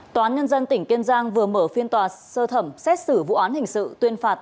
tòa án nhân dân tỉnh kiên giang vừa mở phiên tòa sơ thẩm xét xử vụ án hình sự tuyên phạt